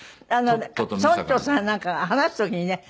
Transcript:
村長さんなんかが話す時にね